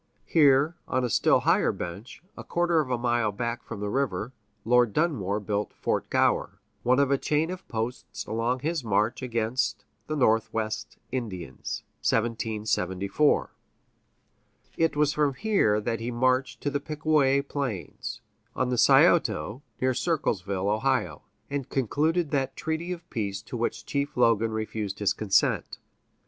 Here, on a still higher bench, a quarter of a mile back from the river, Lord Dunmore built Fort Gower, one of a chain of posts along his march against the Northwest Indians (1774). It was from here that he marched to the Pickaway Plains, on the Scioto (near Circleville, O.), and concluded that treaty of peace to which Chief Logan refused his consent.